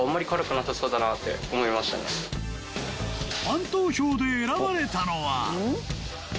ファン投票で選ばれたのは